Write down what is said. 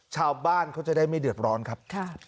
ชาวบ้านเขาจะได้ไม่เดือดร้อนครับ